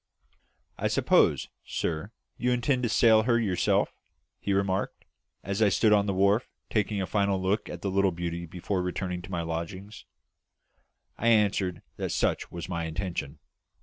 "I suppose, sir, you intend to sail her yourself?" he remarked, as I stood on the wharf taking a final look at the little beauty before returning to my lodgings. I answered that such was my intention.